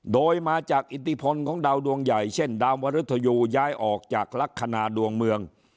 โดยมาจากอิทธิพลของดาวดวงใหญ่เช่นดาวมริทยูย้ายออกจากลักษณะดวงเมือง